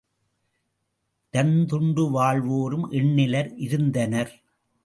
இரந்துண்டு வாழ்வோரும் எண்ணிலர் இருந்தனர்.